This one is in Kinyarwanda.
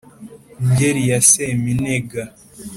Ngeri ya Seminega